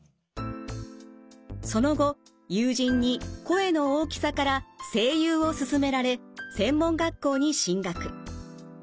その後友人に声の大きさから声優を勧められ専門学校に進学。